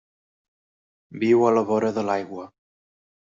Viu a la vora de l'aigua.